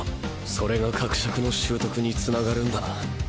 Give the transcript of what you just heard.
それが赫灼の習得につながるんだな。